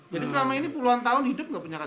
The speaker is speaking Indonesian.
jadi selama ini puluhan tahun hidup tidak punya ktp